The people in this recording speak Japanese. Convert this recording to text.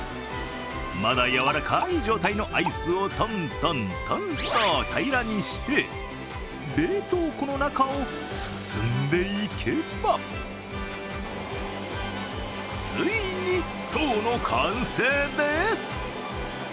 まだやわらかい状態のアイスをトントントンと平らにして冷凍庫の中を進んでいけばついに爽の完成です。